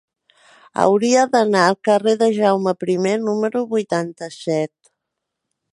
Hauria d'anar al carrer de Jaume I número vuitanta-set.